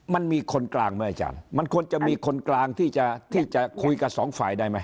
มันมีคนกลางไหมอาจารย์มันควรจะมีคนกลางที่จะคุยกับสองฝ่ายได้ไหม